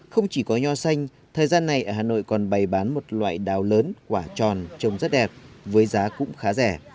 không chỉ có nho xanh thời gian này ở hà nội còn bày bán một loại đào lớn quả tròn trồng rất đẹp với giá cũng khá rẻ